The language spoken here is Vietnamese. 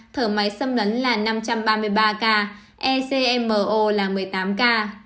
thở máy xâm lấn là năm trăm ba mươi ba ca ecmo là một mươi tám ca